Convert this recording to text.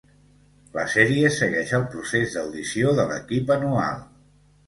La sèrie segueix el procés d'audició de l'equip anual.